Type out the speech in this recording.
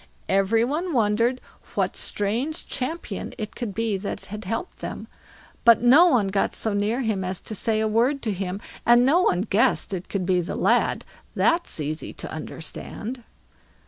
Every one wondered what strange champion it could be that had helped them, but no one got so near him as to say a word to him; and no one guessed it could be the lad; that's easy to understand.